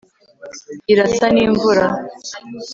irasa nimvura